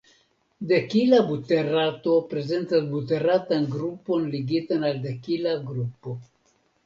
Dekila buterato prezentas buteratan grupon ligitan al dekila grupo.